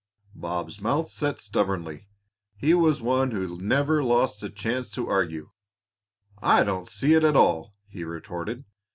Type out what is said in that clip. Bob's mouth set stubbornly; he was one who never lost a chance to argue. "I don't see it at all!" he retorted.